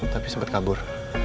tapi sempat kabur